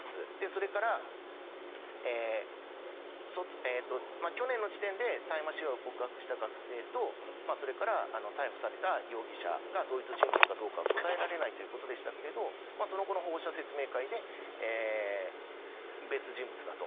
それから、去年の時点で大麻使用を告白した学生とそれから、逮捕された容疑者が同一人物かどうかは答えられないということでしたがその後の保護者説明会で別の人物だと。